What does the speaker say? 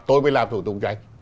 tôi mới làm thủ tục cho anh